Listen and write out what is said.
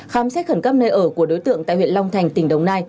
khám xét khẩn cấp nơi ở của đối tượng tại huyện long thành tỉnh đồng nai